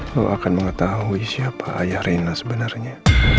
kau akan mengetahui siapa ayah rena sebenarnya